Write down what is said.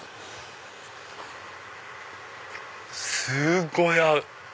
すっごい合う！